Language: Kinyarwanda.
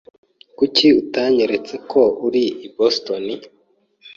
Kuki utanyeretse ko uri i Boston?